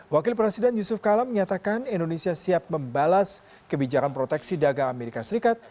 wakil presiden yusuf kala menyatakan indonesia siap membalas kebijakan proteksi dagang amerika serikat